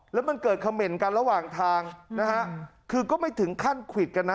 แล้วมันเกิดเขม่นกันระหว่างทางนะฮะคือก็ไม่ถึงขั้นควิดกันนะ